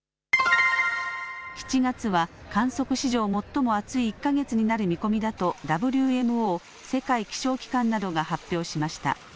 ７月は観測史上最も暑い１か月になる見込みだとＷＭＯ・世界気象機関などが発表しました。